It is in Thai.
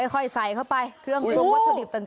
ค่อยใส่เข้าไปเครื่องปรุงวัตถุดิบต่าง